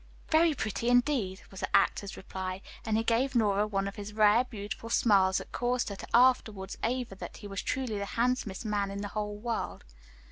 "Very pretty, indeed," was the actor's reply, and he gave Nora one of his rare, beautiful smiles that caused her to afterwards aver that he was truly the handsomest man in the whole world.